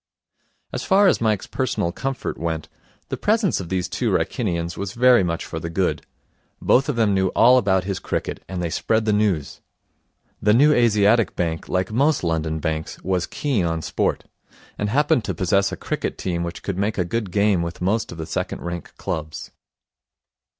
As far as Mike's personal comfort went, the presence of these two Wrykinians was very much for the good. Both of them knew all about his cricket, and they spread the news. The New Asiatic Bank, like most London banks, was keen on sport, and happened to possess a cricket team which could make a good game with most of the second rank clubs.